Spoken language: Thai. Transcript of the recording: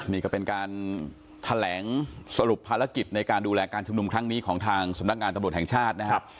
นี่ก็เป็นการแถลงสรุปภารกิจในการดูแลการชุมนุมครั้งนี้ของทางสำนักงานตำรวจแห่งชาตินะครับ